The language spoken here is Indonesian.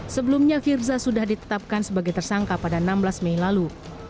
sebelumnya firza sudah ditetapkan sebagai tersangka pada enam belas mei lalu